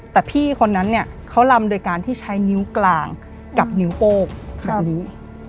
แต่พี่คนนั้นเนี่ยเขาลำโดยการที่ใช้นิ้วกลางกับนิ้วโป้งแบบนี้